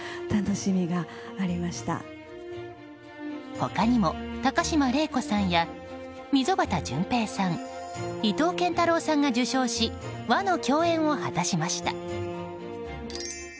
他にも、高島礼子さんや溝端淳平さん伊藤健太郎さんが受賞し和の共演を果たしました。